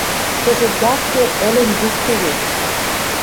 Кӹзӹт якте ӹлен юкде вет.